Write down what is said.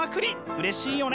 うれしいよね！